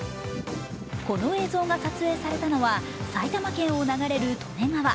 この映像が撮影されたのは埼玉県を流れる利根川。